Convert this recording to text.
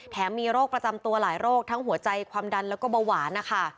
มีโรคประจำตัวหลายโรคทั้งหัวใจความดันแล้วก็เบาหวานนะคะ